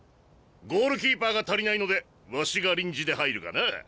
ゴールキーパーが足りないのでわしが臨時で入るがな。